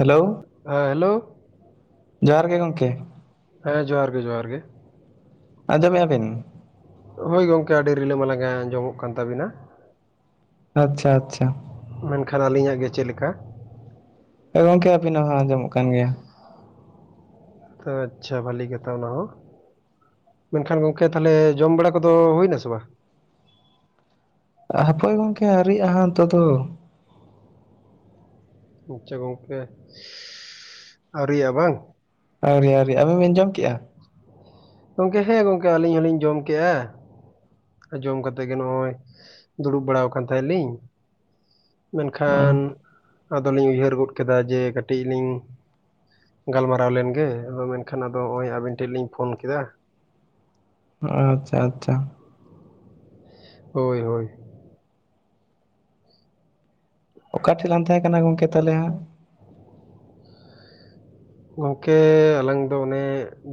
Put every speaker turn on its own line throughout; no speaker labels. Hello
ᱦᱮᱸ hello.
ᱡᱚᱦᱟᱨ ᱜᱮ ᱜᱚᱝᱠᱮ᱾
ᱦᱮᱸ ᱡᱚᱦᱟᱨ ᱜᱮ ᱡᱚᱦᱟᱨ ᱜᱮ᱾
ᱟᱸᱡᱚᱢᱮᱜ-ᱟ ᱵᱤᱱ?
ᱦᱳᱭ ᱜᱚᱝᱠᱮ ᱟᱹᱰᱤ ᱨᱤᱞᱟᱹ ᱢᱟᱞᱟᱝ ᱜᱮ ᱟᱸᱡᱚᱢᱚᱜ ᱠᱟᱱ ᱛᱟᱵᱤᱱᱟ᱾
ᱟᱪᱪᱷᱟ, ᱟᱪᱪᱷᱟ᱾
ᱢᱮᱱᱠᱷᱟᱱ ᱟᱹᱞᱤᱧᱟᱜ ᱜᱮ ᱪᱮᱫ ᱞᱮᱠᱟ?
ᱦᱳᱭ ᱜᱚᱝᱠᱮ ᱟᱹᱵᱤ ᱱᱟᱜ ᱦᱚᱸ ᱟᱸᱡᱚᱢᱚᱜ ᱠᱟᱱ ᱜᱮᱭᱟ᱾
ᱟᱪᱪᱷᱟ ᱵᱷᱟᱹᱞᱤ ᱠᱟᱛᱷᱟ ᱚᱱᱟ ᱦᱚᱸ᱾ ᱢᱮᱱᱠᱷᱟᱱ ᱜᱚᱝᱠᱮ ᱛᱟᱞᱦᱮ ᱡᱚᱢ ᱵᱟᱲᱟ ᱠᱚᱫᱚ ᱦᱩᱭᱱᱟ ᱥᱮ ᱵᱟᱝ?
ᱦᱟᱯᱳᱭ ᱜᱚᱝᱠᱮ ᱟᱹᱣᱨᱤᱭᱟᱜ-ᱟ ᱦᱟᱹᱜ ᱱᱤᱛᱳᱜ ᱫᱚ᱾
ᱟᱪᱪᱷᱟ ᱜᱚᱝᱠᱮ ᱟᱹᱣᱨᱤᱭᱼᱟ ᱵᱟᱝ᱾
ᱟᱹᱣᱨᱤ, ᱟᱹᱣᱨᱤ ᱟᱵᱤᱱ ᱵᱤᱱ ᱡᱚᱢ ᱠᱮᱜ-ᱟ?
ᱜᱚᱝᱠᱮ ᱦᱮᱸ ᱜᱚᱝᱠᱮ ᱟᱹᱞᱤᱧ ᱦᱚᱸ ᱞᱤᱧ ᱡᱚᱢ ᱠᱮᱜᱼᱟ᱾ ᱡᱚᱢ ᱠᱟᱛᱮᱜ ᱜᱮ ᱱᱚᱜᱼᱚᱭ ᱫᱩᱲᱩᱵ ᱵᱟᱲᱟ ᱟᱠᱟᱱ ᱛᱟᱦᱮᱸᱱ ᱞᱤᱧ᱾ ᱢᱮᱱᱠᱷᱟᱱ ᱟᱫᱚ ᱞᱤᱧ ᱩᱭᱦᱟᱹᱨ ᱜᱚᱫ ᱠᱮᱫᱟ ᱡᱮ ᱠᱟᱹᱴᱤᱡ ᱞᱤᱧ ᱜᱟᱞᱢᱟᱨᱟᱣ ᱞᱮᱱᱜᱮ ᱟᱫᱚ ᱢᱮᱱᱠᱷᱟᱱ ᱟᱫᱚ ᱱᱚᱜᱚᱭ ᱟᱵᱤᱱ ᱴᱷᱮᱱ ᱞᱤᱧ ᱯᱷᱳᱱ ᱠᱮᱫᱟ᱾
ᱟᱪᱪᱷᱟ, ᱟᱪᱪᱷᱟ᱾
ᱦᱳᱭ, ᱦᱳᱭ᱾
ᱚᱠᱟ ᱴᱷᱮᱱ ᱞᱟᱝ ᱛᱟᱦᱮᱸ ᱠᱟᱱᱟ ᱜᱚᱝᱠᱮ ᱛᱟᱦᱮ ᱦᱟᱸᱜ᱾
ᱜᱚᱝᱠᱮ ᱟᱞᱟᱝ ᱫᱚ ᱚᱱᱮ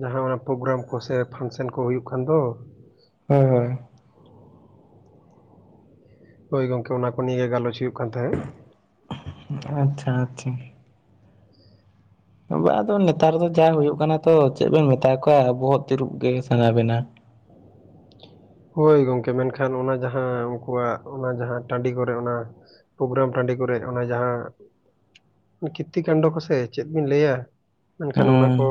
ᱡᱟᱦᱟ ᱚᱱᱟ ᱯᱨᱳᱜᱨᱟᱢ ᱠᱚᱥᱮ ᱯᱷᱟᱱᱥᱮᱱ ᱠᱚ ᱦᱳᱭᱳᱜ ᱠᱟᱱ ᱫᱚ᱾
ᱦᱳᱭ, ᱦᱳᱭ᱾
ᱦᱳᱭ ᱜᱚᱝᱠᱮ ᱚᱱᱟ ᱠᱚ ᱱᱤᱭᱮ ᱜᱮ ᱜᱟᱞᱚᱪ ᱦᱩᱭᱩᱜ ᱠᱟᱱ ᱛᱟᱦᱮᱸᱫ᱾
ᱟᱪᱷᱟ ᱟᱪᱷᱟ ᱵᱟᱝ ᱟᱫᱚ ᱱᱮᱛᱟᱨ ᱫᱚ ᱡᱟ ᱦᱩᱭᱩᱜ ᱠᱟᱱᱟ ᱛᱚ ᱪᱮᱫ ᱵᱮᱱ ᱢᱮᱛᱟ ᱠᱚᱣᱟ ᱵᱚᱦᱚᱜ ᱛᱤᱨᱩᱯ ᱜᱮ ᱥᱟᱱᱟ ᱵᱮᱱᱟ
ᱦᱳᱭ ᱜᱚᱢᱠᱮ ᱢᱮᱱᱠᱷᱟᱱ ᱚᱱᱟ ᱡᱟᱦᱟᱸ ᱩᱱᱠᱩᱣᱟᱜ ᱚᱱᱟ ᱡᱟᱦᱟᱸ ᱴᱟᱺᱰᱤ ᱠᱚᱨᱮ ᱚᱱᱟ ᱯᱨᱳᱜᱨᱟᱢ ᱴᱟᱺᱰᱤ ᱠᱚᱨᱮ ᱚᱱᱟ ᱡᱟᱦᱟᱸ ᱠᱤᱛᱛᱤ ᱠᱟᱱᱰᱚ ᱠᱚᱥᱮ ᱪᱮᱫ ᱵᱤᱱ ᱞᱟᱹᱭᱟ ᱢᱮᱱᱠᱷᱟᱱ ᱚᱱᱟ ᱠᱚ᱾
ᱦᱮᱸ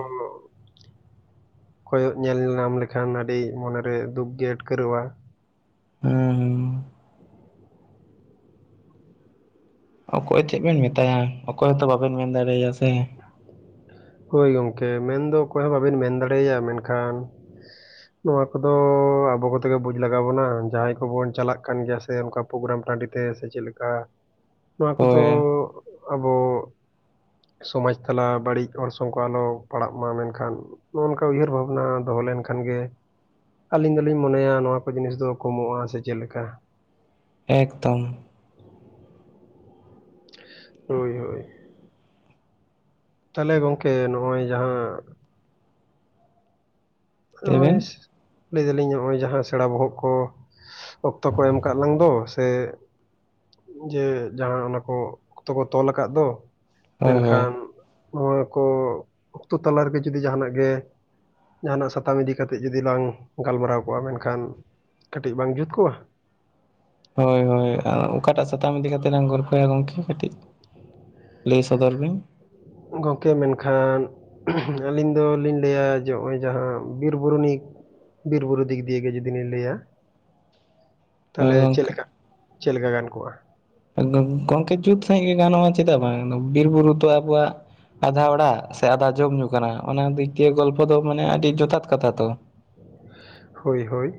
ᱠᱚᱭᱚᱜ ᱧᱮᱞ ᱧᱟᱢ ᱞᱮᱠᱷᱟᱱ ᱟᱹᱰᱤ ᱢᱚᱱᱮᱨᱮ ᱫᱩᱠ ᱜᱮ ᱟᱹᱴᱠᱟᱹᱨᱚᱜ-ᱟ᱾
ᱦᱩᱸ ᱦᱩᱸ ᱚᱠᱚᱭ ᱪᱮᱫ ᱵᱮᱱ ᱢᱮᱛᱟᱭᱟ ᱚᱠᱚᱭ ᱦᱚᱸᱛᱚ ᱵᱟᱵᱮᱱ ᱢᱮᱱ ᱫᱟᱲᱮ ᱟᱭᱟ ᱥᱮ᱾
ᱦᱳᱭ ᱜᱚᱢᱠᱮ ᱢᱮᱱᱫᱚ ᱚᱠᱚᱭ ᱦᱚᱸ ᱵᱟᱵᱮᱱ ᱢᱮᱱ ᱫᱟᱲᱮ ᱟᱭᱟ ᱢᱮᱱᱠᱷᱟᱱ ᱱᱚᱣᱟ ᱠᱚᱫᱚ ᱟᱵᱚ ᱠᱚᱛᱮ ᱜᱮ ᱵᱩᱡᱽ ᱞᱟᱜᱟᱣ ᱵᱚᱱᱟ ᱡᱟᱦᱟᱸᱭ ᱠᱚᱵᱚᱱ ᱪᱟᱞᱟᱜ ᱠᱟᱱ ᱜᱮᱭᱟ ᱥᱮ ᱚᱱᱠᱟ ᱯᱨᱳᱜᱨᱟᱢ ᱴᱟᱺᱰᱤ ᱛᱮ ᱥᱮ ᱪᱮᱫ ᱞᱮᱠᱟ ᱱᱚᱣᱟ ᱠᱚᱫᱚ
ᱦᱳᱭ
ᱟᱵᱚ ᱥᱚᱢᱟᱡᱽ ᱛᱟᱞᱟ ᱵᱟᱲᱤᱡ ᱚᱨᱥᱚᱝ ᱠᱚ ᱟᱞᱚ ᱯᱟᱲᱟᱜ ᱢᱟ ᱢᱮᱱᱠᱷᱟᱱ ᱱᱚᱜ-ᱚ ᱱᱚᱝᱠᱟ ᱩᱭᱦᱟᱹᱨ ᱵᱷᱟᱵᱽᱱᱟ ᱫᱚᱦᱚ ᱞᱮᱱᱠᱷᱟᱱ ᱜᱮ ᱟᱞᱤᱧ ᱫᱚᱞᱤᱧ ᱢᱚᱱᱮᱭᱟ ᱱᱚᱣᱟ ᱠᱚ ᱡᱤᱱᱤᱥ ᱫᱚ ᱠᱚᱢᱚᱜ-ᱟ ᱥᱮ ᱪᱮᱫ ᱞᱮᱠᱟ᱾
ᱮᱠᱫᱚᱢ
ᱦᱳᱭ ᱦᱳᱭ ᱛᱟᱦᱚᱞᱮ ᱜᱚᱝᱠᱮ ᱱᱚᱜ-ᱚᱭ ᱡᱟᱦᱟᱸ
ᱞᱟᱹᱭ ᱵᱮᱱ
ᱱᱚᱜ-ᱚᱭ ᱞᱟᱹᱭ ᱫᱟᱹᱞᱤᱧ ᱱᱚᱜ-ᱚᱭ ᱡᱟᱦᱟᱸ ᱥᱮᱬᱟ ᱵᱚᱦᱚᱜ ᱠᱚ ᱚᱠᱛᱚ ᱠᱚ ᱮᱢ ᱠᱟᱜ ᱞᱟᱝ ᱫᱚ ᱥᱮ ᱡᱮ ᱡᱟᱦᱟᱸ ᱚᱱᱟᱠᱚ ᱚᱠᱛᱚ ᱠᱚ ᱛᱚᱞ ᱟᱠᱟᱫ ᱫᱚ
ᱦᱳᱭ ᱦᱳᱭ
ᱢᱮᱱᱠᱷᱟᱱ ᱱᱚᱣᱟ ᱠᱚ ᱟᱛᱩ ᱛᱟᱞᱟ ᱨᱮᱜᱮ ᱡᱩᱫᱤ ᱡᱟᱦᱟᱱᱟᱜ ᱜᱮ ᱡᱟᱦᱱᱟᱜ ᱥᱟ ᱛᱟᱢ ᱤᱫᱤ ᱠᱟᱛᱮᱫ ᱡᱩᱫᱤ ᱞᱟᱝ ᱜᱟᱞᱢᱟᱨᱟᱣ ᱠᱚᱜ-ᱟ ᱢᱮᱱᱠᱷᱟᱱ ᱠᱟᱹᱴᱤᱡ ᱵᱟᱝ ᱡᱩᱛ ᱠᱚᱜ-ᱟ᱾
ᱦᱳᱭ ᱦᱳᱭ ᱚᱠᱟᱴᱟᱜ ᱥᱟᱛᱟᱢ ᱤᱫᱤ ᱠᱟᱛᱮ ᱞᱟᱝ ᱜᱚᱞᱯᱚᱭᱟ ᱜᱚᱢᱠᱮ ᱠᱟᱹᱴᱤᱡ ᱞᱟᱹᱭ ᱥᱚᱫᱚᱨ ᱵᱤᱱ᱾
ᱜᱚᱢᱠᱮ ᱢᱮᱱᱠᱷᱟᱱ ᱟᱹᱞᱤᱧ ᱫᱚᱞᱤᱧ ᱞᱟᱹᱭᱟ ᱡᱮ ᱱᱚᱜ-ᱚᱭ ᱡᱟᱦᱟᱸ ᱵᱤᱨ ᱵᱩᱨᱩ ᱱᱤ ᱵᱤᱨ ᱵᱩᱨᱩ ᱫᱤᱠ ᱫᱤᱭᱮ ᱜᱮ ᱡᱩᱫᱤ ᱞᱤᱧ ᱞᱟᱹᱭᱟ᱾
ᱦᱳᱭ
ᱛᱟᱦᱚᱞᱮ ᱪᱮᱫ
ᱜᱚᱝᱠᱮ
ᱞᱮᱠᱟ ᱪᱮᱫ ᱞᱮᱠᱟ ᱜᱟᱱ ᱠᱚᱜ-ᱟ᱾
ᱜᱚᱝᱠᱮ ᱡᱩᱛ ᱥᱟᱺᱦᱤᱡ ᱜᱮ ᱜᱟᱱᱚᱜ-ᱟ ᱪᱮᱫᱟᱜ ᱵᱟᱝ ᱵᱤᱨ ᱵᱩᱨᱩ ᱫᱚ ᱟᱵᱚᱣᱟᱜ ᱟᱫᱷᱟ ᱚᱲᱟᱜ ᱥᱮ ᱟᱫᱷᱟ ᱡᱚᱢ ᱧᱩ ᱠᱟᱱᱟ ᱚᱱᱟ ᱫᱤᱠ ᱫᱤᱭᱮ ᱜᱚᱞᱯᱚ ᱫᱚ ᱢᱟᱱᱮ ᱟᱹᱰᱤ ᱡᱚᱛᱷᱟᱛ ᱠᱟᱛᱷᱟ ᱛᱚ᱾
ᱦᱳᱭ ᱦᱳᱭ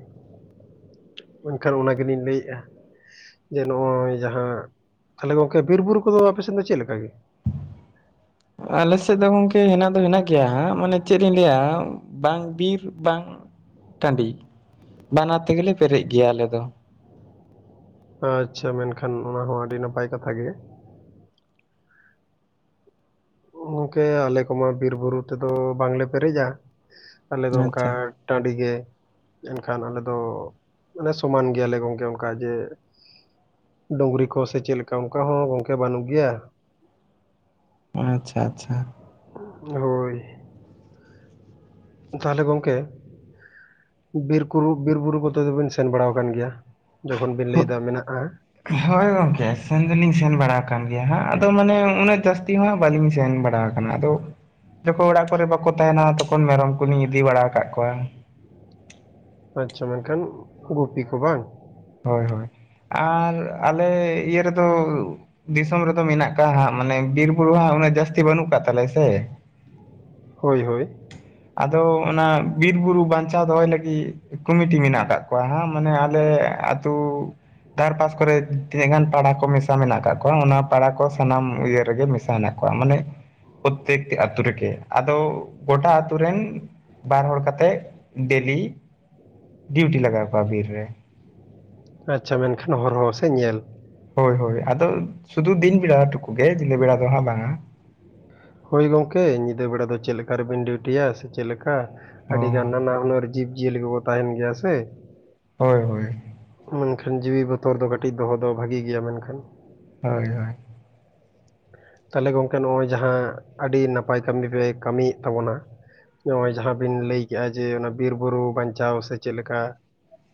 ᱢᱮᱱᱠᱷᱟᱱ ᱚᱱᱟ ᱜᱮᱞᱤᱧ ᱞᱟᱹᱭᱮᱫ-ᱟ᱾ ᱡᱮ ᱱᱚᱜ-ᱚᱭ ᱡᱟᱦᱟᱸ ᱛᱟᱦᱚᱞᱮ ᱜᱚᱝᱠᱮ ᱵᱤᱨ ᱵᱩᱨᱩ ᱠᱚᱫᱚ ᱟᱯᱮᱥᱮᱫ ᱫᱚ ᱪᱮᱫ ᱞᱮᱠᱟ ᱜᱤ?
ᱟᱞᱮ ᱥᱮᱫ ᱫᱚ ᱜᱚᱝᱠᱮ ᱦᱮᱱᱟᱜ ᱫᱚ ᱦᱮᱱᱟᱜ ᱜᱮᱭᱟ ᱦᱟᱸᱜ ᱢᱟᱱᱮ ᱪᱮᱫ ᱤᱧ ᱞᱟᱹᱭᱟ ᱵᱟᱝ ᱵᱤᱨ ᱵᱟᱝ ᱴᱟᱺᱰᱤ ᱵᱟᱱᱟᱨ ᱛᱮᱜᱮᱞᱮ ᱯᱮᱨᱮᱡ ᱜᱮᱭᱟ ᱟᱞᱮ ᱫᱚ᱾
ᱟᱪᱪᱷᱟ ᱢᱮᱱᱠᱷᱟᱱ ᱚᱱᱟ ᱦᱚᱸ ᱟᱹᱰᱤ ᱱᱟᱯᱟᱭ ᱠᱟᱛᱷᱟ ᱜᱮ ᱜᱚᱢᱠᱮ ᱟᱞᱮ ᱠᱚᱢᱟ ᱵᱤᱨ ᱵᱩᱨᱩ ᱛᱮᱫᱚ ᱵᱟᱝᱞᱮ ᱯᱮᱨᱮᱡᱟ ᱟᱞᱮ ᱫᱚ ᱚᱱᱠᱟ
ᱟᱪᱪᱷᱟ
ᱴᱟᱺᱰᱤ ᱜᱮ᱾ ᱮᱱᱠᱷᱟᱱ ᱟᱞᱮ ᱫᱚ ᱢᱟᱱᱮ ᱥᱚᱢᱟᱱ ᱜᱮᱭᱟᱞᱮ ᱜᱚᱢᱠᱮ ᱚᱱᱠᱟ ᱜᱮ, ᱰᱩᱝᱨᱤ ᱠᱚ ᱥᱮ ᱪᱮᱫ ᱞᱮᱠᱟ ᱚᱱᱠᱟ ᱦᱚᱸ ᱜᱚᱝᱠᱮ ᱵᱟᱱᱩᱜ ᱜᱮᱭᱟ᱾
ᱟᱪᱪᱷᱟ ᱟᱪᱪᱷᱟ
[unintelligible] ᱛᱟᱦᱚᱞᱮ ᱜᱚᱢᱠᱮ ᱵᱤᱨᱠᱩᱨᱩ ᱵᱤᱨᱵᱩᱨᱩ ᱠᱚ ᱫᱚᱵᱤᱱ ᱥᱮᱱ ᱵᱟᱲᱟ ᱟᱠᱟᱱ ᱜᱮᱭᱟ? ᱡᱚᱠᱷᱚᱱ ᱵᱤᱱ ᱞᱟᱹᱭ ᱫᱟ ᱢᱮᱱᱟᱜ-ᱟ᱾
ᱦᱳᱭ ᱜᱚᱝᱠᱮ ᱥᱮᱱ ᱫᱚᱞᱤᱧ ᱥᱮᱱ ᱵᱟᱲᱟ ᱟᱠᱟᱱ ᱜᱮᱭᱟ ᱦᱟᱸᱜ ᱟᱫᱚ ᱢᱟᱱᱮ ᱩᱱᱟᱹᱜ ᱡᱟᱹᱥᱛᱤ ᱦᱚᱸ ᱦᱟᱸᱜ ᱵᱟᱹᱞᱤᱧ ᱥᱮᱱ ᱵᱟᱲᱟ ᱠᱟᱱᱟ ᱟᱫᱚ ᱡᱚᱠᱷᱚᱱ ᱚᱲᱟᱜ ᱠᱚᱨᱮ ᱵᱟᱠᱚ ᱛᱟᱦᱮᱱᱟ ᱛᱚᱠᱷᱚᱱ ᱢᱮᱨᱚᱢ ᱠᱚᱞᱤᱧ ᱤᱫᱤ ᱵᱟᱲᱟ ᱟᱠᱟᱫ ᱠᱚᱣᱟ᱾
ᱟᱪᱪᱷᱟ ᱢᱮᱱᱠᱷᱟᱱ ᱜᱩᱯᱤ ᱠᱚ ᱵᱟᱝ?
ᱦᱳᱭ ᱦᱳᱭ ᱟᱨ ᱟᱞᱮ ᱤᱭᱟᱹ ᱨᱮᱫᱚ ᱫᱤᱥᱚᱢ ᱨᱮᱫᱚ ᱢᱮᱱᱟᱜ ᱠᱟᱜ-ᱟ ᱦᱟᱸᱜ ᱢᱟᱱᱮ ᱵᱤᱨ ᱵᱩᱨᱩ ᱦᱟᱸᱜ ᱩᱱᱟᱹᱜ ᱡᱟᱹᱥᱛᱤ ᱵᱟᱹᱱᱩᱜ ᱠᱟᱜ ᱛᱟᱞᱮᱭᱟ ᱥᱮ᱾
ᱦᱳᱭ ᱦᱳᱭ᱾
ᱟᱫᱚ ᱚᱱᱟ ᱵᱤᱨ ᱵᱩᱨᱩ ᱵᱟᱧᱪᱟᱣ ᱫᱚᱦᱚᱭ ᱞᱟᱹᱜᱤᱫ ᱠᱚᱢᱤᱴᱤ ᱢᱮᱱᱟᱜ ᱠᱟᱜ ᱠᱚᱣᱟ ᱦᱟᱸᱜ ᱢᱟᱱᱮ ᱟᱞᱮ ᱛᱩᱻ ᱫᱷᱟᱨ ᱯᱟᱥ ᱠᱚᱨᱮ ᱛᱤᱱᱟᱹᱜ ᱜᱟᱱ ᱯᱟᱲᱟ ᱠᱚ ᱢᱮᱥᱟ ᱢᱮᱱᱟᱜ ᱠᱟᱜ ᱠᱚᱣᱟ ᱚᱱᱟ ᱯᱟᱲᱟ ᱠᱚ ᱥᱟᱱᱟᱢ ᱤᱭᱟᱹ ᱨᱮᱜᱮ ᱢᱮᱥᱟ ᱦᱮᱱᱟᱜ ᱠᱚᱣᱟ ᱢᱟᱱᱮ ᱯᱨᱚᱛᱮᱠᱴᱤ ᱟᱛᱳ ᱨᱮᱜᱮ᱾ ᱟᱫᱚ ᱜᱚᱴᱟ ᱟᱛᱩ ᱨᱮᱱ ᱵᱟᱨ ᱦᱚᱲ ᱠᱟᱛᱮᱷ ᱰᱮᱞᱤ ᱰᱤᱭᱩᱴᱤ ᱞᱟᱜᱟᱣ ᱠᱚᱣᱟ ᱵᱤᱨ ᱨᱮ᱾
ᱟᱪᱪᱷᱟ ᱢᱮᱱᱠᱷᱟᱱ ᱦᱚᱨᱦᱚ ᱥᱮ ᱧᱮᱞ?
ᱦᱳᱭ ᱦᱳᱭ ᱟᱫᱚ ᱥᱩᱫᱷᱩ ᱫᱤᱱ ᱵᱮᱲᱟ ᱴᱩᱠᱩᱜ ᱜᱮ ᱧᱤᱫᱟᱹ ᱵᱮᱲᱟ ᱫᱚ ᱦᱟᱸᱜ ᱵᱟᱝᱟ᱾
ᱦᱳᱭ ᱜᱚᱝᱠᱮ ᱧᱤᱫᱟᱹ ᱵᱮᱲᱟ ᱫᱚ ᱪᱮᱫ ᱞᱮᱠᱟ ᱨᱮᱵᱮᱱ ᱰᱤᱣᱴᱤᱭᱟ ᱥᱮ ᱪᱮᱫ ᱞᱮᱠᱟ?
ᱚ
ᱟᱹᱰᱤᱜᱟᱱ ᱱᱟᱱᱟ ᱦᱩᱱᱟᱹᱨ ᱡᱤᱵᱽ-ᱡᱤᱭᱟᱹᱞᱤ ᱠᱚᱠᱚ ᱛᱟᱸᱦᱮᱱ ᱜᱮᱭᱟ ᱥᱮ᱾
ᱦᱳᱭ ᱦᱳᱭ᱾
ᱢᱮᱱᱠᱷᱟᱱ ᱡᱤᱣᱤ ᱵᱚᱛᱚᱨ ᱫᱚ ᱠᱟᱹᱴᱤᱡ ᱫᱚᱦᱚ ᱫᱚ ᱵᱷᱟᱜᱤ ᱜᱮᱭᱟ ᱢᱮᱱᱠᱷᱟᱱ᱾
ᱦᱳᱭ ᱦᱳᱭ᱾
ᱛᱟᱦᱞᱮ ᱜᱚᱝᱠᱮ ᱱᱚᱜ-ᱚᱭ ᱡᱟᱦᱟᱸ ᱟᱹᱰᱤ ᱱᱟᱯᱟᱭ ᱠᱟᱹᱢᱤ ᱯᱮ ᱠᱟᱹᱢᱤᱭᱮᱜ ᱛᱟᱵᱚᱱᱟ᱾ ᱱᱚᱜ-ᱚᱭ ᱡᱟᱦᱟᱸ ᱵᱤᱱ ᱞᱟᱹᱭ ᱠᱮᱜ-ᱟ ᱡᱮ ᱚᱱᱟ ᱵᱤᱨ ᱵᱩᱨᱩ ᱵᱟᱧᱪᱟᱣ ᱥᱮ ᱪᱮᱫ ᱞᱮᱠᱟ?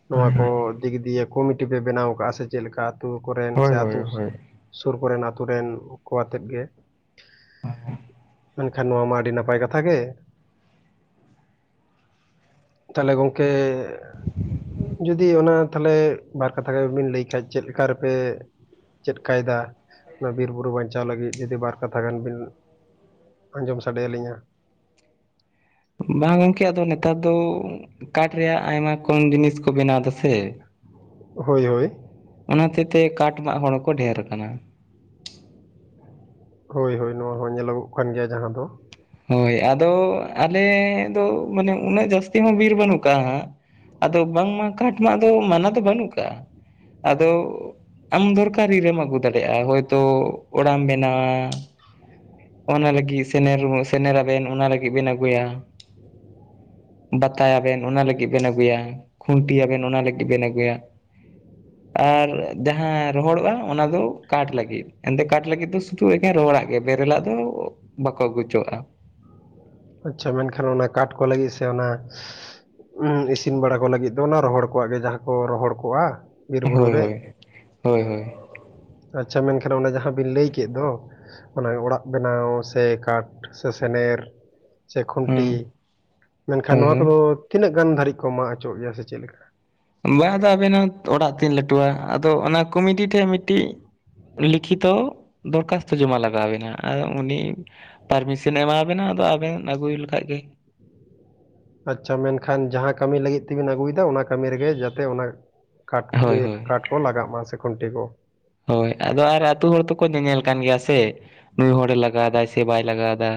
ᱱᱚᱣᱟ
ᱦᱳᱭ
ᱠᱚ ᱫᱤᱠ ᱫᱤᱭᱮ ᱠᱚᱢᱤᱴᱤ ᱯᱮ ᱵᱮᱱᱟᱣ ᱠᱟᱜ-ᱟ ᱥᱮ ᱪᱮᱫ ᱞᱮᱠᱟ ᱟᱹᱛᱩ ᱠᱚᱨᱮᱱ ᱥᱮ
ᱦᱳᱭ ᱦᱳᱭ
ᱟᱹᱛᱩ
ᱦᱳᱭ
ᱥᱩᱨ ᱠᱚᱨᱮᱱ ᱟᱹᱛᱩ ᱨᱮᱱ ᱠᱚ ᱟᱛᱮᱫ ᱜᱮ?
[unintelligible]
ᱢᱮᱱᱠᱷᱟᱱ ᱱᱚᱣᱟ ᱢᱟ ᱟᱹᱰᱤ ᱱᱟᱯᱟᱭ ᱠᱟᱛᱷᱟ ᱜᱮ᱾ ᱛᱟᱦᱞᱮ ᱜᱚᱝᱠᱮ ᱡᱚᱫᱤ ᱚᱱᱟ ᱛᱟᱦᱞᱮ ᱵᱟᱨ ᱠᱟᱛᱷᱟ ᱜᱮ ᱵᱤᱱ ᱞᱟᱹᱭ ᱠᱷᱟᱡ ᱪᱮᱫ ᱞᱮᱠᱟ ᱨᱮᱯᱮ ᱪᱮᱫᱠᱟᱭᱫᱟ ᱚᱱᱟ ᱵᱤᱨ ᱵᱩᱨᱩ ᱵᱟᱧᱪᱟᱣ ᱞᱟᱹᱜᱤᱫ? ᱡᱩᱫᱤ ᱵᱟᱨ ᱠᱟᱛᱷᱟ ᱜᱟᱱ ᱵᱤᱱ ᱟᱸᱡᱚᱢ ᱥᱟᱰᱮ ᱟᱹᱞᱤᱧᱟ᱾
ᱵᱟᱝ ᱜᱚᱝᱠᱮ ᱟᱫᱚ ᱱᱮᱛᱟᱨ ᱫᱚ ᱠᱟᱴ ᱨᱮᱭᱟᱜ ᱟᱭᱢᱟ ᱠᱚᱢ ᱡᱤᱱᱤᱥ ᱠᱚ ᱵᱮᱱᱟᱣᱫᱟ ᱥᱮ
ᱦᱳᱭ ᱦᱳᱭ᱾
ᱚᱱᱟ ᱦᱚᱛᱮᱜ ᱛᱮ ᱠᱟᱴ ᱢᱟᱜ ᱦᱚᱲ ᱠᱚ ᱰᱷᱮᱨ ᱟᱠᱟᱱᱟ᱾
ᱦᱳᱭ ᱦᱳᱭ ᱱᱚᱣᱟ ᱦᱚᱸ ᱧᱮᱞᱚᱜᱚᱜ ᱠᱟᱱ ᱜᱮᱭᱟ ᱡᱟᱦᱟᱸ ᱫᱚ᱾
ᱦᱳᱭ ᱟᱫᱚ ᱟᱞᱮ ᱫᱚ ᱢᱟᱱᱮ ᱩᱱᱟᱹᱜ ᱡᱟᱹᱥᱛᱤ ᱦᱚᱸ ᱵᱤᱨ ᱵᱟᱹᱱᱩᱜ ᱠᱟᱜ-ᱟ ᱦᱟᱸᱜ᱾ ᱟᱫᱚ ᱵᱟᱝᱢᱟ ᱠᱟᱴ ᱢᱟᱜ ᱫᱚ ᱢᱟᱱᱟ ᱫᱚ ᱵᱟᱹᱱᱩᱜ ᱠᱟᱜ-ᱟ᱾ ᱟᱫᱚ ᱟᱢ ᱫᱚᱨᱠᱟᱨᱤ ᱨᱮᱢ ᱟᱹᱜᱩ ᱫᱟᱲᱮᱜ-ᱟ, ᱦᱳᱭᱛᱚ ᱚᱲᱟᱜ ᱮᱢ ᱵᱮᱱᱟᱣᱟ ᱚᱱᱟ ᱞᱟᱹᱜᱤᱫ ᱥᱮᱱᱮᱨ, ᱥᱮᱱᱨᱟᱵᱮᱱ ᱚᱱᱟ ᱞᱟᱹᱜᱤᱫ ᱵᱮᱱ ᱟᱹᱜᱩᱭᱟ᱾ ᱵᱟᱛᱟᱭᱟᱵᱮᱱ ᱚᱱᱟ ᱞᱟᱹᱜᱤᱫ ᱵᱮᱱ ᱟᱹᱜᱩᱭᱟ᱾ ᱠᱷᱩᱱᱴᱤ ᱟᱵᱮᱱ ᱚᱱᱟ ᱞᱟᱹᱜᱤᱫ ᱵᱮᱱ ᱟᱹᱜᱩᱭᱟ᱾
[inaudible]
ᱟᱨ ᱡᱟᱦᱟᱸ ᱨᱚᱦᱚᱲᱚᱜ-ᱟ ᱚᱱᱟ ᱫᱚ ᱠᱟᱴ ᱞᱟᱹᱜᱤᱫ᱾ ᱮᱱᱛᱮ ᱠᱟᱴ ᱞᱟᱹᱜᱤᱫ ᱫᱚ ᱥᱩᱫᱷᱩ ᱮᱠᱟᱱ ᱨᱚᱦᱚᱲᱟᱜ ᱜᱮ ᱵᱮᱨᱮᱞᱟᱜ ᱫᱚ ᱵᱟᱠᱚ ᱟᱜᱩᱪᱚᱜ-ᱟ᱾
ᱟᱪᱪᱷᱟ, ᱢᱮᱱᱠᱷᱟᱱ ᱚᱱᱟ ᱠᱟᱴ ᱠᱚ ᱞᱟᱹᱜᱤᱫ ᱥᱮ ᱚᱱᱟ ᱩᱸᱻ ᱤᱥᱤᱱ ᱵᱟᱲᱟ ᱠᱚ ᱞᱟᱹᱜᱤᱫ ᱫᱚ ᱚᱱᱟ ᱨᱚᱦᱚᱲ ᱠᱚᱣᱟᱜ ᱜᱮ ᱡᱟᱦᱟᱸ ᱠᱚ ᱨᱚᱦᱚᱲ ᱠᱚᱜ-ᱟ᱾ ᱵᱤᱨ ᱵᱩᱨᱩ
ᱦᱳᱭ
ᱨᱮ,
ᱦᱳᱭ ᱦᱳᱭ ᱦᱳᱭ
ᱟᱪᱪᱷᱟ ᱢᱮᱱᱠᱷᱟᱱ ᱚᱱᱟ ᱡᱟᱦᱟᱸ ᱵᱤᱱ ᱞᱟᱹᱭ ᱠᱮᱫ ᱫᱚ᱾ ᱚᱱᱮ ᱚᱲᱟᱜ ᱵᱮᱱᱟᱣ ᱥᱮ ᱠᱟᱴᱷ ᱥᱮ ᱥᱮᱱᱮᱨ ᱥᱮ
ᱦᱩᱸ
ᱠᱷᱩᱱᱴᱤ ᱢᱮᱱᱠᱷᱟᱱ
ᱦᱳᱭ
ᱱᱚᱣᱟ
ᱦᱳᱭ
ᱠᱚᱫᱚ ᱛᱤᱱᱟᱹᱜ ᱜᱟᱱ ᱫᱷᱟᱹᱨᱤᱡ ᱠᱚ ᱢᱟᱜ ᱦᱚᱪᱚᱜ ᱜᱮᱭᱟ ᱥᱮ ᱪᱮᱫ ᱞᱮᱠᱟ?
ᱢᱟᱜ ᱟᱫᱚ ᱟᱵᱮᱱᱟᱝ ᱚᱲᱟᱜ ᱛᱤᱱ ᱞᱟᱹᱴᱩᱣᱟ, ᱟᱫᱚ ᱚᱱᱟ ᱠᱚᱢᱤᱴᱤ ᱴᱷᱮᱡ ᱢᱤᱫᱴᱤᱡ ᱞᱤᱠᱷᱤᱛᱚ ᱫᱚᱨᱠᱟᱥᱛᱚ ᱡᱚᱢᱟ ᱞᱟᱜᱟᱣ ᱵᱮᱱᱟ ᱟᱨ ᱩᱱᱤ- ᱯᱟᱨᱢᱤᱥᱮᱱᱮ ᱮᱢᱟᱵᱮᱱᱟ ᱟᱫᱚ ᱟᱵᱮᱱ ᱟᱹᱜᱩᱭ ᱞᱮᱠᱷᱟᱡ ᱜᱮ᱾
ᱟᱪᱪᱷᱟ ᱢᱮᱱᱠᱷᱟᱱ ᱡᱟᱦᱟᱸ ᱠᱟᱹᱢᱤ ᱞᱟᱹᱜᱤᱫ ᱛᱮᱵᱤᱱ ᱟᱹᱜᱩᱭᱫᱟ ᱚᱱᱟ ᱠᱟᱹᱢᱤ ᱨᱮᱜᱮ ᱡᱟᱛᱮ ᱚᱱᱟ ᱠᱟᱴ ᱠᱚ
ᱦᱳᱭ
ᱤᱭᱟᱹ
ᱦᱳᱭ
ᱠᱟᱴ ᱠᱚ ᱞᱟᱜᱟᱜ ᱢᱟ ᱥᱮ ᱠᱷᱩᱱᱴᱤ ᱠᱚ᱾
ᱦᱳᱭ ᱟᱫᱚ ᱟᱨ ᱟᱹᱛᱩ ᱦᱚᱲ ᱛᱚᱠᱚ ᱧᱮᱧᱮᱞ ᱠᱟᱱ ᱜᱮᱭᱟ ᱥᱮ᱾ ᱱᱩᱭ ᱦᱚᱲᱮ ᱞᱟᱜᱟᱣ ᱮᱫᱟᱭ ᱥᱮ ᱵᱟᱭ ᱞᱟᱜᱟᱣ ᱮᱫᱟ᱾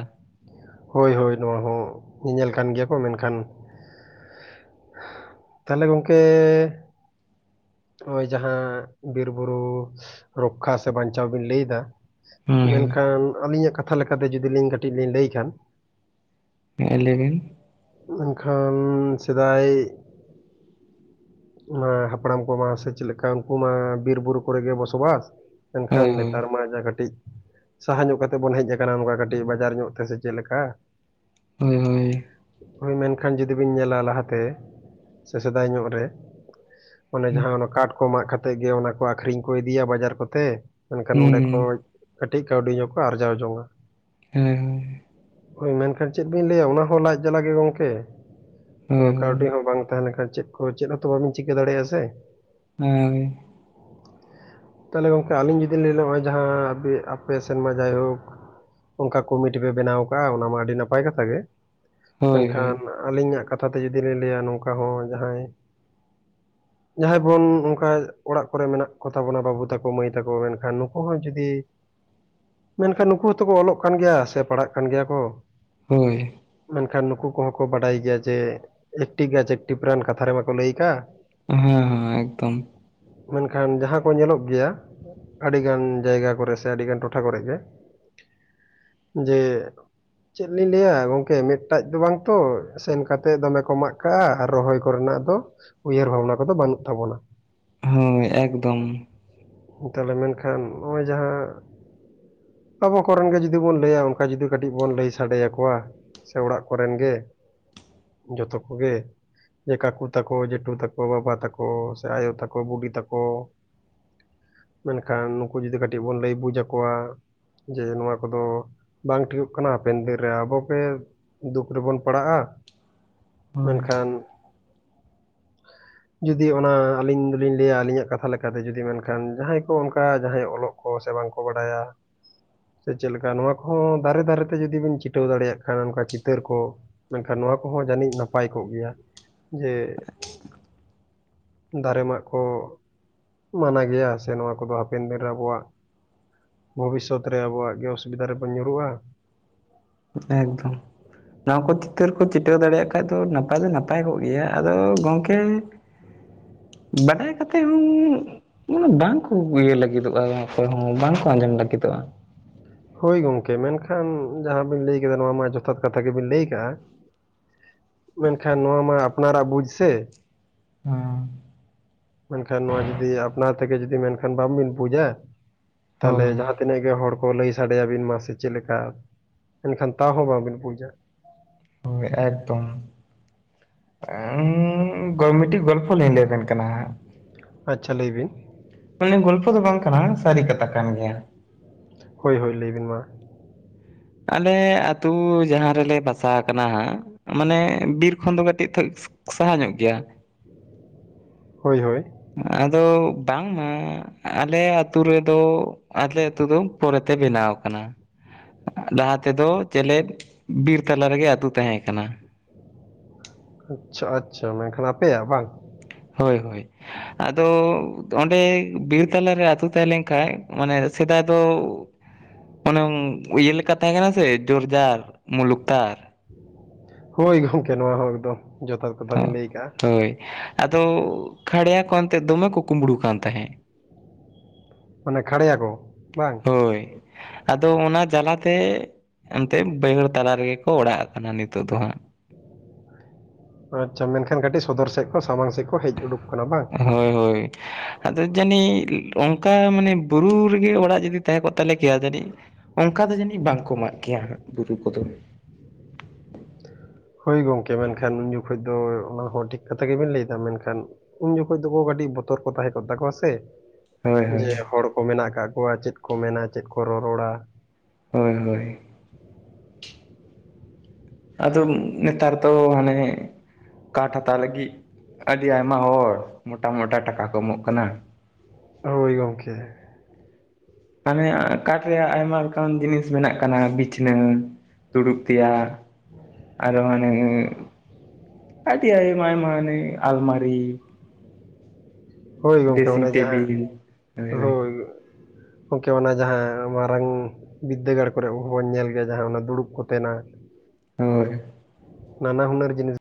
ᱦᱳᱭ ᱦᱳᱭ ᱱᱚᱣᱟ ᱦᱚᱸ ᱧᱮᱧᱮᱞ ᱠᱟᱱ ᱜᱮᱭᱟ ᱠᱚ ᱢᱮᱱᱠᱷᱟᱱ ᱛᱟᱞᱦᱮ ᱜᱚᱝᱠᱮ ᱱᱚᱜ-ᱚᱭ ᱡᱟᱦᱟᱸ ᱵᱤᱨᱵᱩᱨᱩ ᱨᱚᱠᱠᱷᱟ ᱥᱮ ᱵᱟᱧᱪᱟᱣ ᱵᱤᱱ ᱞᱟᱹᱭ ᱮᱫᱟ
ᱦᱳᱭ ᱦᱳᱭ
ᱢᱮᱱᱠᱷᱟᱱ ᱟᱹᱞᱤᱧᱟᱜ ᱠᱟᱛᱷᱟ ᱞᱮᱠᱟᱛᱮ ᱡᱩᱫᱤ ᱞᱤᱧ ᱠᱟᱹᱴᱤᱡ ᱞᱤᱧ ᱞᱟᱹᱭ ᱠᱷᱟᱱ
ᱦᱮᱸ ᱞᱟᱹᱭ ᱵᱤᱱ᱾
ᱢᱮᱱᱠᱷᱟᱱ ᱥᱮᱫᱟᱭ ᱢᱟ ᱦᱟᱯᱲᱟᱢ ᱠᱚᱢᱟ ᱥᱮ ᱪᱮᱫ ᱞᱮᱠᱟ ᱩᱱᱠᱩ ᱢᱟ ᱵᱤᱨ ᱵᱩᱨᱩ ᱠᱚᱨᱮ ᱜᱮ ᱵᱚᱥᱚᱵᱟᱥ᱾ ᱢᱮᱱᱠᱷᱟᱱ
ᱦᱳᱭ
ᱱᱮᱛᱟᱨ
ᱦᱳᱭ
ᱢᱟ ᱡᱟ ᱠᱟᱹᱴᱤᱡ ᱥᱟᱦᱟ ᱧᱚᱜ ᱠᱟᱛᱮᱜ ᱵᱚᱱ ᱦᱮᱡ ᱟᱠᱟᱱᱟ ᱱᱚᱝᱠᱟ ᱠᱟᱹᱴᱤᱡ ᱵᱟᱡᱟᱨ ᱧᱚᱜ ᱛᱮ, ᱥᱮ ᱪᱮᱫ ᱞᱮᱠᱟ?
ᱦᱳᱭ ᱦᱳᱭ᱾
ᱦᱳᱭ ᱢᱮᱱᱠᱷᱟᱱ ᱡᱩᱫᱤ ᱵᱤᱱ ᱧᱮᱞᱟ ᱞᱟᱦᱟᱛᱮ ᱥᱮ ᱥᱮᱫᱟᱭ ᱧᱚᱜ ᱨᱮ᱾ ᱚᱱᱮ ᱡᱟᱦᱟᱸ ᱚᱱᱟ ᱠᱟᱴ ᱠᱚ ᱢᱟᱜ ᱠᱟᱛᱮᱜ ᱜᱮ ᱚᱱᱟ ᱠᱚ ᱟᱠᱷᱨᱤᱧ ᱠᱚ ᱤᱫᱤᱭᱟ ᱵᱟᱡᱟᱨ ᱠᱚᱛᱮ᱾
ᱦᱳᱭ
ᱢᱮᱱᱠᱷᱟᱱ ᱚᱸᱰᱮ
ᱦᱩᱸ
ᱠᱷᱚᱡ ᱠᱟᱹᱴᱤᱡ ᱠᱟᱹᱣᱰᱤ ᱧᱚᱜ ᱠᱚ ᱟᱨᱡᱟᱣ ᱡᱚᱝ-ᱟ᱾
ᱦᱮᱸ ᱦᱩᱸ᱾
ᱦᱳᱭ ᱢᱮᱱᱠᱷᱟᱱ ᱪᱮᱫ ᱵᱤᱱ ᱞᱟᱹᱭᱟ ᱚᱱᱟᱦᱚᱸ ᱞᱟᱡᱽ ᱡᱟᱞᱟ ᱜᱮ ᱜᱚᱝᱠᱮ᱾ ᱟᱫᱚ
ᱦᱳᱭ
ᱠᱟ ᱰᱤ
ᱦᱳᱭ
ᱦᱚᱸ ᱵᱟᱝ ᱛᱟᱦᱮᱸ ᱞᱮᱱᱠᱷᱟᱱ ᱪᱮᱫ ᱠᱚ ᱪᱮᱫ ᱦᱚᱸᱛᱚ ᱵᱟᱵᱤᱱ ᱪᱤᱠᱟᱹ ᱫᱟᱲᱮᱭᱟᱜ-ᱟ ᱥᱮ?
ᱦᱳᱭ᱾
[inaudible] ᱛᱟᱞᱦᱮ ᱜᱚᱢᱠᱮ ᱟᱹᱞᱤᱧ ᱡᱩᱫᱤᱧ ᱞᱟᱹᱭ ᱞᱮ ᱱᱚᱜ-ᱚᱭ ᱡᱟᱦᱟᱸ ᱟᱯᱮ ᱥᱮᱱ ᱢᱟ ᱡᱟᱭᱦᱳᱠ᱾ ᱚᱱᱠᱟ ᱠᱚᱢᱤᱴᱤ ᱯᱮ ᱵᱮᱱᱟᱣ ᱟᱠᱟ-ᱟ᱾ ᱚᱱᱟ ᱢᱟ ᱟᱹᱰᱤ ᱱᱟᱯᱟᱭ ᱠᱟᱛᱷᱟ ᱜᱮ᱾
ᱦᱳᱭ
ᱢᱮᱱᱠᱷᱟᱱ
ᱦᱳᱭ
ᱟᱹᱞᱤᱧᱟᱜ ᱠᱟᱛᱷᱟ ᱛᱮ ᱡᱩᱫᱤ ᱞᱤᱧ ᱞᱟᱹᱭᱟ ᱱᱚᱝᱠᱟ ᱦᱚᱸ ᱡᱟᱦᱟᱸᱭ ᱡᱟᱦᱟᱸᱭ ᱵᱚᱱ ᱚᱱᱠᱟ ᱚᱲᱟᱜ ᱠᱚᱨᱮ ᱢᱮᱱᱟᱜ ᱠᱚᱛᱟ ᱵᱚᱱᱟ ᱵᱟᱹᱵᱩ ᱛᱟᱠᱚ, ᱢᱟᱹᱭ ᱛᱟᱠᱚ, ᱢᱮᱱᱠᱷᱟᱱ ᱱᱩᱠᱩ ᱦᱚᱸ ᱡᱩᱫᱤ ᱢᱮᱱᱠᱷᱟᱱ ᱱᱩᱠᱩ ᱦᱚᱸᱛᱚ ᱠᱚ ᱚᱞᱚᱜ ᱠᱟᱱ ᱜᱮᱭᱟ ᱥᱮ ᱯᱟᱲᱦᱟᱜ ᱠᱟᱱ ᱜᱮᱭᱟ ᱠᱚ᱾
ᱦᱳᱭ᱾
ᱠᱷᱟᱱ ᱱᱩᱠᱩ ᱠᱚᱦᱚᱸ ᱠᱚ ᱵᱟᱰᱟᱭ ᱜᱮᱭᱟ ᱡᱮ ᱮᱠᱴᱤ ᱜᱟᱪᱷ ᱮᱠᱴᱤ ᱯᱨᱟᱱ᱾ ᱠᱟᱛᱷᱟ ᱨᱮ ᱢᱟᱠᱚ ᱞᱟᱹᱭ ᱟᱠᱟᱫ᱾
ᱦᱚᱸ ᱦᱚᱸ ᱮᱠᱫᱚᱢ᱾
ᱢᱮᱱᱠᱷᱟᱱ ᱡᱟᱦᱟᱸ ᱠᱚ ᱧᱮᱞᱚᱜ ᱜᱮᱭᱟ᱾ ᱟᱹᱰᱤᱜᱟᱱ ᱡᱟᱭᱜᱟ ᱠᱚᱨᱮ ᱥᱮ ᱟᱹᱰᱤᱜᱟᱱ ᱴᱚᱴᱷᱟ ᱠᱚᱨᱮᱜ ᱜᱮ᱾ ᱡᱮ ᱪᱮᱫ ᱞᱤᱧ ᱞᱟᱹᱭᱟ ᱜᱚᱝᱠᱮ ᱢᱮᱫ ᱮᱴᱟᱡ ᱫᱚ ᱵᱟᱝ ᱛᱚ ᱥᱮᱱ ᱠᱟᱛᱮᱫ ᱫᱚᱢᱮ ᱠᱚ ᱢᱟᱜ ᱠᱟᱜ-ᱟ ᱟᱨ ᱨᱚᱦᱚᱭ ᱠᱚᱨᱮᱱᱟᱜ ᱫᱚ ᱩᱭᱦᱟᱹᱨ ᱵᱷᱟᱵᱽᱱᱟ ᱠᱚᱫᱚ ᱵᱟᱹᱱᱩᱜ ᱛᱟᱵᱚᱱᱟ᱾
ᱦᱳᱭ ᱮᱠᱫᱚᱢ᱾
ᱛᱟᱞᱦᱮ ᱢᱮᱱᱠᱷᱟᱱ ᱱᱚᱜ-ᱚᱭ ᱡᱟᱦᱟᱸ ᱟᱵᱚ ᱠᱚᱨᱮᱱ ᱜᱮ ᱡᱩᱫᱤ ᱵᱚᱱ ᱞᱟᱹᱭᱟ᱾ ᱚᱱᱠᱟ ᱡᱩᱫᱤ ᱠᱟᱹᱴᱤᱡ ᱵᱚᱱ ᱞᱟᱹᱭ ᱥᱟᱰᱮᱭᱟᱠᱚᱣᱟ᱾ ᱥᱮ ᱚᱲᱟᱜ ᱠᱚᱨᱮᱱ ᱜᱮ ᱡᱚᱛᱚ ᱠᱚᱜᱮ᱾ ᱡᱮ ᱠᱟᱠᱩ ᱛᱟᱠᱚ, ᱡᱮᱴᱩ ᱛᱟᱠᱚ, ᱵᱟᱵᱟ ᱛᱟᱠᱚ ᱥᱮ ᱟᱭᱳ ᱛᱟᱠᱚ, ᱵᱩᱰᱤ ᱛᱟᱠᱚ᱾ ᱢᱮᱱᱠᱷᱟᱱ ᱱᱩᱠᱩ ᱡᱚᱫᱤ ᱠᱟᱹᱴᱤᱡ ᱵᱚᱱ ᱞᱟᱹᱭ ᱵᱩᱡ ᱟᱠᱚᱣᱟ᱾ ᱡᱮ ᱱᱚᱣᱟ ᱠᱚᱫᱚ ᱵᱟᱝ ᱴᱷᱤᱠᱚᱜ ᱠᱟᱱᱟ ᱦᱟᱯᱮᱱ ᱫᱤᱱ ᱨᱮ ᱟᱵᱚ ᱜᱮ ᱫᱩᱠ ᱨᱮᱵᱚᱱ ᱯᱟᱲᱟᱜᱼᱟ᱾
ᱦᱳᱭ
ᱢᱮᱱᱠᱷᱟᱱ ᱡᱩᱫᱤ ᱚᱱᱟ ᱟᱹᱞᱤᱧ ᱫᱚᱞᱤᱧ ᱞᱟᱹᱭᱟ ᱟᱹᱞᱤᱧᱟᱜ ᱠᱟᱛᱷᱟ ᱞᱮᱠᱟᱛᱮ ᱡᱩᱫᱤ ᱢᱮᱱᱠᱷᱟᱱ ᱡᱟᱦᱟᱸᱭ ᱠᱚ ᱚᱱᱠᱟ ᱡᱟᱦᱟᱸᱭ ᱚᱞᱚᱜ ᱠᱚ ᱥᱮ ᱵᱟᱝᱠᱚ ᱵᱟᱰᱟᱭᱟ᱾ ᱥᱮ ᱪᱮᱫ ᱞᱮᱠᱟ ᱱᱚᱣᱟ ᱠᱚᱦᱚᱸ ᱫᱟᱨᱮ ᱫᱟᱨᱮ ᱛᱮ ᱡᱩᱫᱤ ᱵᱤᱱ ᱪᱷᱤᱴᱟᱹᱣ ᱫᱟᱲᱮᱭᱟᱜ ᱠᱷᱟᱱ ᱚᱱᱠᱟ ᱪᱤ ᱛᱟᱹᱨ ᱠᱚ ᱢᱮᱱᱠᱷᱟᱱ ᱱᱚᱣᱟ ᱠᱚᱦᱚᱸ ᱡᱟᱹᱱᱤᱡ ᱱᱟᱯᱟᱭ ᱠᱚᱜ ᱜᱮᱭᱟ ᱡᱮ ᱫᱟᱨᱮ ᱢᱟᱜ ᱠᱚ ᱢᱟᱱᱟ ᱜᱮᱭᱟ ᱥᱮ ᱱᱚᱣᱟ ᱠᱚᱫᱚ ᱦᱟᱯᱮᱱ ᱫᱤᱱ ᱨᱮ ᱟᱵᱚᱣᱟᱜ ᱵᱷᱚᱵᱤᱥᱥᱚᱛ ᱨᱮ ᱟᱵᱚᱣᱟᱜ ᱜᱮ ᱚᱥᱩᱵᱤᱫᱟ ᱨᱮᱵᱚᱱ ᱧᱩᱨᱩᱜᱼᱟ᱾
ᱮᱠᱫᱚᱢ᱾ ᱱᱚᱣᱟ ᱠᱚ ᱪᱤᱛᱟᱹᱨ ᱠᱚ ᱪᱤᱴᱟᱹᱣ ᱫᱟᱲᱮᱭᱟᱜ ᱠᱷᱟᱡ ᱫᱚ ᱱᱟᱯᱟᱭ ᱫᱚ ᱱᱟᱯᱟᱭ ᱠᱚᱜ ᱜᱮᱭᱟ ᱟᱫᱚ ᱜᱚᱝᱠᱮ
[inaudible]
ᱵᱟᱰᱟᱭ ᱠᱟᱛᱮ ᱦᱚᱸ ᱱᱚᱣᱟ ᱵᱟᱝ ᱠᱚ ᱤᱭᱟᱹ ᱞᱟᱹᱜᱤᱫᱚᱜᱼᱟ ᱚᱠᱚᱭ ᱦᱚᱸ ᱵᱟᱝᱠᱚ ᱟᱸᱡᱚᱢ ᱞᱟᱹᱜᱤᱫᱚᱜᱼᱟ᱾
ᱦᱳᱭ ᱜᱚᱝᱠᱮ ᱢᱮᱱᱠᱷᱟᱱ ᱡᱟᱦᱟᱸ ᱵᱤᱱ ᱞᱟᱹᱭ ᱠᱮᱫᱟ ᱱᱚᱣᱟ ᱢᱟ ᱡᱚᱛᱷᱟᱛ ᱠᱟᱛᱷᱟ ᱜᱮᱵᱤᱱ ᱞᱟᱹᱭ ᱠᱟᱜᱼᱟ ᱢᱮᱱᱠᱷᱟᱱ ᱱᱚᱣᱟ ᱢᱟ ᱟᱯᱱᱟᱨᱟᱜ ᱵᱩᱡᱽ ᱥᱮ᱾
ᱦᱩᱸ᱾
ᱢᱮᱱᱠᱷᱟᱱ ᱱᱚᱣᱟ ᱡᱩᱫᱤ ᱟᱯᱱᱟᱨ ᱛᱮᱜᱮ ᱡᱩᱫᱤ ᱢᱮᱱᱠᱷᱟᱱ ᱵᱟᱝᱵᱤᱱ ᱵᱩᱡᱟ ᱛᱟᱦᱚᱞᱮ
ᱦᱳᱭ
ᱡᱟᱦᱟᱸ ᱛᱤᱱᱟᱹᱜ ᱜᱮ ᱦᱚᱲ ᱠᱚ ᱞᱟᱹᱭ ᱥᱟᱰᱮᱭᱟᱵᱤᱱ ᱢᱟ ᱥᱮ ᱪᱮᱫ ᱞᱮᱠᱟ ᱮᱱᱠᱷᱟᱱ ᱛᱟᱣ ᱦᱚᱸ ᱵᱟᱝᱵᱤᱱ ᱵᱩᱡᱟ᱾
ᱦᱳᱭ ᱮᱠᱫᱚᱢ᱾ ᱩᱸᱻ ᱜᱚ ᱢᱤᱫᱴᱤᱡ ᱜᱚᱞᱯᱷᱚ ᱞᱤᱧ ᱞᱟᱹᱭ ᱟᱵᱮᱱ ᱠᱟᱱᱟ ᱦᱟᱸᱜ᱾
ᱟᱪᱪᱷᱟ ᱞᱟᱹᱭ ᱵᱤᱱ᱾
ᱢᱟᱱᱮ ᱜᱚᱞᱯᱷᱚ ᱫᱚ ᱵᱟᱝ ᱠᱟᱱᱟ ᱥᱟᱹᱨᱤ ᱠᱟᱛᱷᱟ ᱠᱟᱱ ᱜᱮᱭᱟ᱾
ᱦᱳᱭ ᱦᱳᱭ ᱞᱟᱹᱭ ᱵᱤᱱ ᱢᱟ᱾
ᱟᱞᱮ ᱟᱛᱩ ᱡᱟᱦᱟᱸ ᱨᱮᱞᱮ ᱵᱟᱥᱟ ᱠᱟᱱᱟ ᱦᱟᱸᱜ, ᱢᱟᱱᱮ ᱵᱤᱨ ᱠᱷᱚᱱ ᱫᱚ ᱠᱟᱹᱴᱤᱡ ᱛᱚ ᱥᱟᱦᱟ ᱧᱚᱜ ᱜᱮᱭᱟ᱾
ᱦᱳᱭ ᱦᱳᱭ᱾
ᱟᱫᱚ ᱵᱟᱝ ᱢᱟ ᱟᱞᱮ ᱟᱹᱛᱩ ᱨᱮᱫᱚ, ᱟᱞᱮ ᱟᱹᱛᱩ ᱫᱚ ᱯᱚᱨᱮ ᱛᱮ ᱵᱮᱱᱟᱣ ᱟᱠᱟᱱᱟ᱾ ᱞᱟᱦᱟ ᱛᱮᱫᱚ ᱪᱮᱞᱮᱫ ᱵᱤᱨ ᱛᱟᱞᱟ ᱨᱮᱜᱮ ᱟᱹᱛᱩ ᱛᱟᱦᱮᱸ ᱠᱟᱱᱟ᱾
ᱟᱪᱪᱷᱟ ᱟᱪᱪᱷᱟ ᱢᱮᱱᱠᱷᱟᱱ ᱟᱯᱮᱭᱟᱜ ᱵᱟᱝ?
ᱦᱳᱭ ᱦᱳᱭ᱾ ᱟᱫᱚ ᱚᱸᱰᱮ ᱵᱤᱨ ᱛᱟᱞᱟᱨᱮ ᱟᱹᱛᱩ ᱛᱟᱦᱮᱸ ᱞᱮᱱ ᱠᱷᱟᱡ ᱢᱟᱱᱮ ᱥᱮᱫᱟᱭ ᱫᱚ ᱚᱱᱮ ᱤᱭᱟᱹ ᱞᱮᱠᱟ ᱛᱟᱦᱮᱸ ᱠᱟᱱᱟ ᱥᱮ ᱡᱳᱨ ᱡᱟᱨ ᱢᱩᱞᱩᱠ ᱛᱟᱨ᱾
ᱦᱳᱭ ᱜᱚᱝᱠᱮ ᱱᱚᱣᱟ ᱦᱚᱸ ᱮᱠᱫᱚᱢ ᱡᱚᱛᱷᱟᱛ ᱠᱟᱛᱷᱟ ᱵᱤᱱ
ᱦᱚᱸ
ᱞᱟᱹᱭ ᱠᱟᱜ-ᱟ᱾
ᱦᱳᱭ᱾ ᱟᱫᱚ ᱠᱷᱟᱲᱭᱟ ᱠᱚ ᱮᱱᱛᱮᱫ ᱫᱚᱢᱮ ᱠᱚ ᱠᱩᱢᱵᱽᱲᱩ ᱠᱟᱱ ᱛᱟᱦᱮᱸᱫ᱾
ᱢᱟᱱᱮ ᱠᱷᱟᱲᱭᱟ ᱠᱚ, ᱵᱟᱝ?
ᱦᱳᱭ, ᱟᱫᱚ ᱚᱱᱟ ᱡᱟᱞᱟᱛᱮ ᱮᱱᱛᱮᱫ ᱵᱟᱹᱭᱦᱟᱹᱲ ᱛᱟᱞᱟ ᱨᱮᱜᱮ ᱠᱚ ᱚᱲᱟᱜ ᱠᱟᱱᱟ ᱱᱤᱛᱚᱜ ᱫᱚ ᱦᱟᱸᱜ᱾
ᱟᱪᱪᱷᱟ ᱢᱮᱱᱠᱷᱟᱱ ᱠᱟᱹᱴᱤᱡ ᱥᱚᱫᱚᱨ ᱥᱮᱫ ᱠᱚ ᱥᱟᱢᱟᱝ ᱥᱮᱫ ᱠᱚ ᱦᱮᱡ ᱩᱰᱩᱠ ᱠᱟᱱᱟ, ᱵᱟᱝ?
ᱦᱳᱭ ᱦᱳᱭ᱾ ᱟᱫᱚ ᱡᱟᱹᱱᱤᱡ ᱚᱱᱠᱟ ᱢᱟᱱᱮ ᱵᱩᱨᱩ ᱨᱮᱜᱮ ᱚᱲᱟᱜ ᱡᱩᱫᱤ ᱛᱟᱦᱮᱸ ᱠᱚᱜ ᱛᱟᱞᱮ ᱠᱮᱭᱟ ᱡᱟᱹᱱᱤᱡ ᱚᱱᱠᱟ ᱫᱚ ᱡᱟᱹᱱᱤᱡ ᱵᱟᱝᱠᱚ ᱢᱟᱜ ᱜᱮᱭᱟ ᱦᱟᱸᱜ ᱵᱩᱨᱩ ᱠᱚᱫᱚ᱾
ᱦᱳᱭ ᱜᱚᱝᱠᱮ ᱢᱮᱱᱠᱷᱟᱱ ᱩᱱ ᱡᱚᱠᱷᱚᱡ ᱫᱚ ᱚᱱᱟ ᱦᱚᱸ ᱴᱷᱤᱠ ᱠᱟᱛᱷᱟ ᱜᱮᱵᱤᱱ ᱞᱟᱹᱭ ᱫᱟ ᱢᱮᱱᱠᱷᱟᱱ ᱩᱱ ᱡᱚᱠᱷᱚᱡ ᱫᱚᱠᱚ ᱠᱟᱹᱴᱤᱡ ᱵᱚᱛᱚᱨ ᱠᱚ ᱛᱟᱦᱮᱸ ᱠᱚᱜ ᱛᱟᱠᱚᱣᱟ ᱥᱮ
ᱦᱳᱭ ᱦᱳᱭ
ᱡᱮ ᱦᱚᱲ ᱠᱚ ᱢᱮᱱᱟᱜ ᱠᱟᱜ ᱠᱚᱣᱟ ᱪᱮᱫ ᱠᱚ ᱢᱮᱱᱟ ᱪᱮᱫ ᱠᱚ ᱨᱚᱨᱚᱲᱟ᱾
ᱦᱳᱭ ᱦᱳᱭ ᱟᱫᱚ ᱱᱮᱛᱟᱨ ᱛᱚ ᱦᱟᱱᱮ ᱠᱟᱴ ᱦᱟᱛᱟᱣ ᱞᱟᱹᱜᱤᱫ ᱟᱹᱰᱤ ᱟᱭᱢᱟ ᱦᱚᱲ ᱢᱚᱴᱟ ᱢᱚᱴᱟ ᱴᱟᱠᱟ ᱠᱚ ᱮᱢᱚᱜ ᱠᱟᱱᱟ᱾
ᱦᱳᱭ ᱜᱚᱝᱠᱮ
ᱦᱟᱱᱮ ᱠᱟᱴ ᱨᱮᱭᱟᱜ ᱟᱭᱢᱟ ᱞᱮᱠᱟᱱ ᱡᱤᱱᱤᱥ ᱵᱮᱱᱟᱜ ᱠᱟᱱᱟ ᱵᱤᱪᱷᱱᱟᱹ ᱫᱩᱲᱩᱵ ᱛᱮᱭᱟᱜ ᱟᱨ ᱦᱟᱱᱮ ᱟᱹᱰᱤ ᱟᱭᱢᱟ ᱟᱭᱢᱟ ᱦᱟᱱᱮ ᱟᱞᱢᱟᱨᱤ
ᱦᱳᱭ ᱜᱚᱝᱠᱮ
ᱰᱨᱮᱥᱤᱝ
ᱚᱱᱟ ᱡᱟᱦᱟᱸ
ᱴᱮᱵᱤᱞ
ᱦᱳᱭ ᱜᱚᱝᱠᱮ ᱚᱱᱟ ᱡᱟᱦᱟᱸ ᱢᱟᱨᱟᱝ ᱵᱤᱫᱽᱫᱟᱹᱜᱟᱲ ᱠᱚᱨᱮ ᱦᱚᱸᱵᱚᱱ ᱧᱮᱞ ᱜᱮᱭᱟ ᱡᱟᱦᱟᱸ ᱚᱱᱟ ᱫᱩᱲᱩᱵ ᱠᱚᱛᱮᱱᱟᱜ
ᱦᱚᱭ
ᱱᱟᱱᱟ ᱦᱩᱱᱟᱨ ᱡᱤᱱᱤᱥ